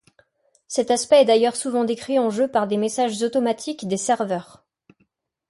Cet aspect est d'ailleurs souvent décrit en jeu par des messages automatiques des serveurs.